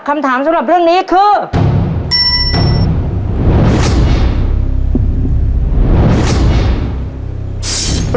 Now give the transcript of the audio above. คำถามสำหรับเรื่องนี้คือ